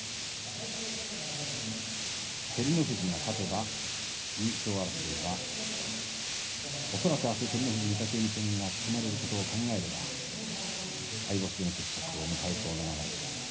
照ノ富士が勝てば優勝争いは恐らく、あす照ノ富士、御嶽海戦が組まれることを考えれば相星の決着を迎えそうな感じです。